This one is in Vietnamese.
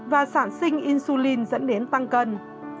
và sản sinh insulin dẫn đến tăng cân